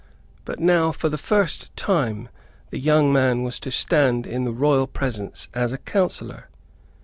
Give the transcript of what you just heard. But now for the first time the young man was to stand in the royal presence as a counsellor.